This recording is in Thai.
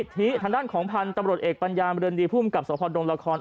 ที่ทางด้านของพันธุ์ตำรวจเอกปัญญาบริเวณดีภูมิกับสวพดงราคอน